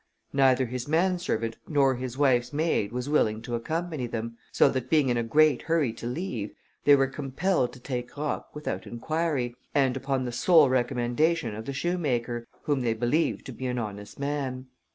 Neither his man servant nor his wife's maid was willing to accompany them; so that being in a great hurry to leave, they were compelled to take Roch without inquiry, and upon the sole recommendation of the shoemaker, whom they believed to be an honest man.